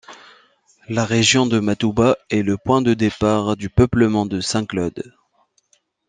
La région de Matouba est le point de départ du peuplement de Saint-Claude.